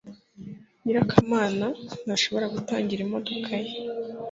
nyirakamana ntashobora gutangira imodoka ye